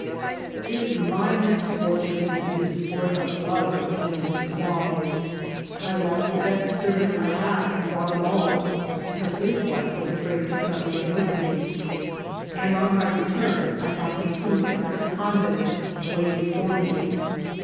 It is my misfortune to be the sport of other men's wives. I lost the best servant I had in Guatimala be cause his wife was afraid to trust him with me, and on my return I found 'Hezoos at the convent waiting for me.